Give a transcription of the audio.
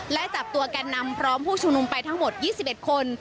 และจับตัวแก่นนำพร้อมผู้ชุมนุมไปทั้งหมด๒๑คน